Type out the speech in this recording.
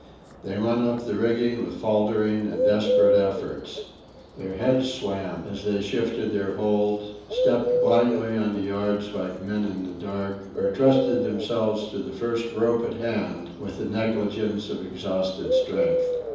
They went up the rigging with faltering and desperate efforts. Their heads swam as they shifted their hold, stepped blindly on the yards like men in the dark; or trusted themselves to the first rope at hand with the negligence of exhausted strength.